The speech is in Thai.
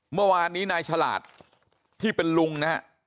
เมื่อวานนี้นายฉลาดที่เป็นลุงนะฮะ